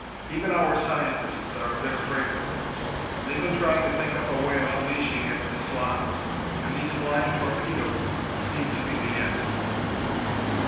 Even our scientists are a bit afraid of it. They've been trying to think up a way of unleashing it at the Slavs. And these flying torpedoes seem to be the answer.